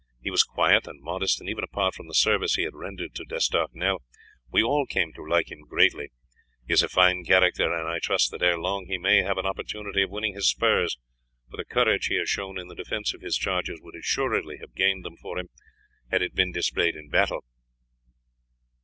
He was quiet and modest, and even apart from the service he had rendered to D'Estournel, we all came to like him greatly. He is a fine character, and I trust that ere long he may have an opportunity of winning his spurs, for the courage he has shown in the defence of his charges would assuredly have gained them for him had it been displayed in battle."